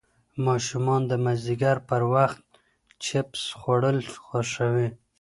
ماشومان د مازدیګر پر وخت چېپس خوړل خوښوي.